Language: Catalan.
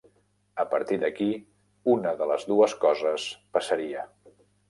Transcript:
A partir d'aquí, una de les dues coses passaria.